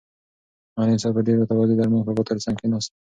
معلم صاحب په ډېرې تواضع د ارمان کاکا تر څنګ کېناست.